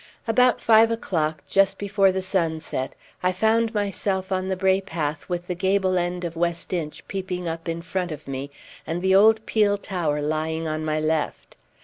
About five o'clock, just before the sun set, I found myself on the brae path with the gable end of West Inch peeping up in front of me and the old Peel tower lying on my left.